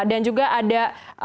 dan juga ada